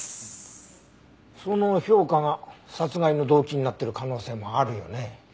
その評価が殺害の動機になってる可能性もあるよね。